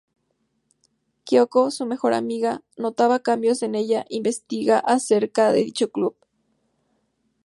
Kyoko, su mejor amiga, notando cambios en ella investiga acerca de dicho club.